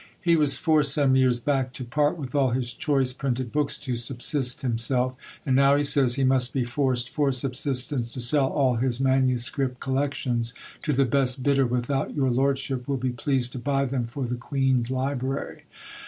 He was forced some years back to part with all his choice printed books to subsist himself: and now, he says, he must be forced, for subsistence, to sell all his MS. collections to the best bidder, without your lordship will be pleased to buy them for the queen's library.